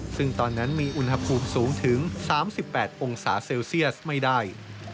ซึ่งตอนนั้นมีอุณหภูมิสูงถึง๓๘องศาเซลเซียสไม่ได้